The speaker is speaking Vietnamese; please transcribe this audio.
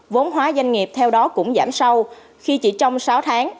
vốn hóa doanh nghiệp theo đó cũng giảm sâu khi chỉ trong sáu tháng